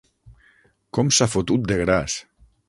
Com s'ha fotut de gras!